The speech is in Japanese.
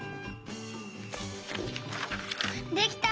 できた！